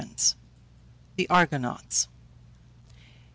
THE ARGONAUTS.